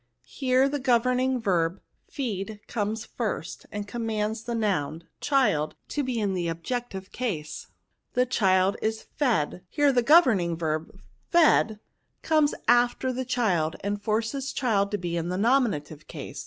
Here the governing verb, feedy comes first, and conmxands the noun, child, to be in the objective case. The child is fed^ Here the governing verb, fed^ comes NOUNS, 149 after the child, and forces child to be in th« nominative case."